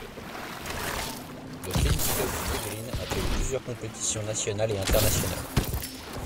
Le Tennis Club de Mégrine accueille plusieurs compétitions nationales et internationales.